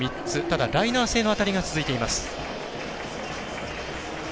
ただ、ライナー性の当たりが続いています。